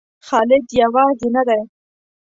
خالد یوازې نه دی.